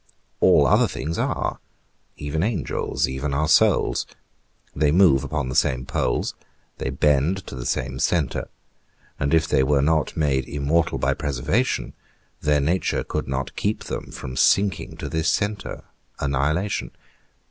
All other things are; even angels, even our souls; they move upon the same poles, they bend to the same centre; and if they were not made immortal by preservation, their nature could not keep them from sinking to this centre, annihilation.